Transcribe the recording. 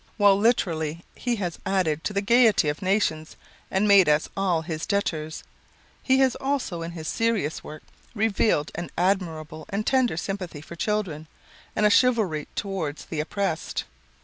While literally he has added to the gayety of nations and made us all his debtors, he has also in his serious work, revealed an admirable and tender sympathy for children and a chivalry toward the oppressed.